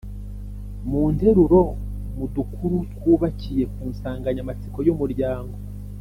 mu nteruro, mu dukuru twubakiye ku nsanganyamatsiko y’umuryango